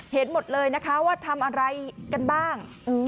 เห็นหมดเลยนะคะว่าทำอะไรกันบ้าง